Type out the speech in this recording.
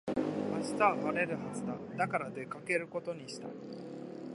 明日は晴れるはずだ。だから出かけることにした。